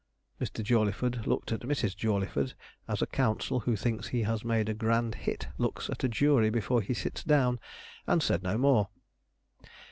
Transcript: Mr. Jawleyford looked at Mrs. Jawleyford as a counsel who thinks he has made a grand hit looks at a jury before he sits down, and said no more.